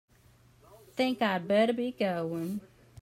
Think I'd better be going.